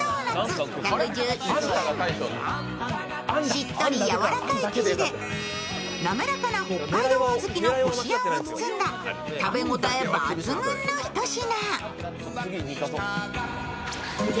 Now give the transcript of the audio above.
しっとり、やわらかい生地でなめらかな北海道小豆のこしあんを包んだ食べ応え抜群のひと品。